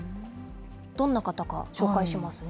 どんな方か紹介しますね。